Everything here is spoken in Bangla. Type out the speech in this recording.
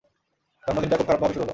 জন্মদিনটা খুব খারাপভাবে শুরু হলো।